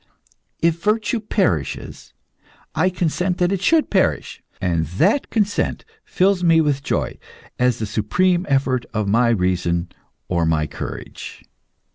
If virtue perishes, I consent that it should perish, and that consent fills me with joy, as the supreme effort of my reason or my courage.